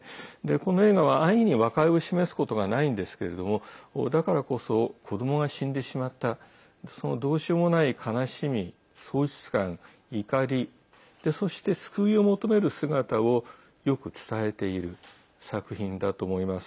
この映画は安易に和解を示すことがないんですけれどもだからこそ子どもが死んでしまったそのどうしようもない悲しみ、喪失感、怒りそして、救いを求める姿をよく伝えている作品だと思います。